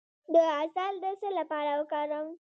د عسل د څه لپاره وکاروم؟